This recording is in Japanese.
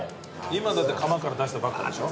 今だって窯から出したばっかでしょ。